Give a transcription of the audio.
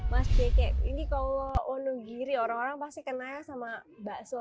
mas deke ini kalau wonogiri orang orang pasti kenal sama bakso